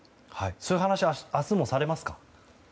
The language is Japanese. そういう話は明日もされますか？